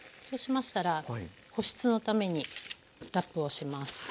そうしましたら保湿のためにラップをします。